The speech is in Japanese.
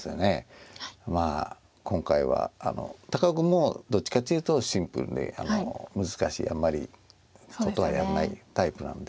まあ今回は高尾君もどっちかっていうとシンプルで難しいあんまりことはやらないタイプなので。